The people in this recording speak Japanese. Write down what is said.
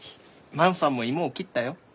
万さんも芋を切ったよ。